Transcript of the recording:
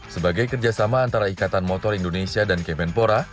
sebagai kerjasama antara ikatan motor indonesia dan kemenpora